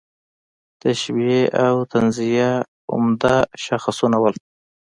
تشبیه او تنزیه عمده شاخصونه وو.